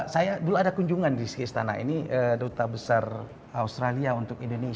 saya dulu ada kunjungan rizky istana ini duta besar australia untuk indonesia